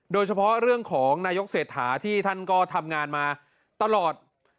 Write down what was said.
โดยเฉพาะเรื่องของนายกเศรษฐาที่ท่านก็ทำงานมาตลอด